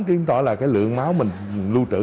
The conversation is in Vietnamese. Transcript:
tuy nhiên là lượng máu mình lưu trữ